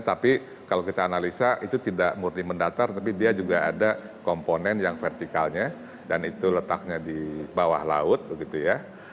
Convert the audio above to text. tapi kalau kita analisa itu tidak murni mendatar tapi dia juga ada komponen yang vertikalnya dan itu letaknya di bawah laut begitu ya